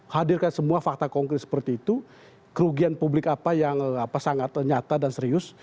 hadirkan semua fakta konkret seperti itu kerugian publik apa yang sangat nyata dan serius